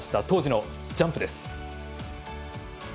当時のジャンプです。